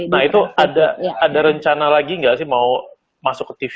nah itu ada rencana lagi nggak sih mau masuk ke tv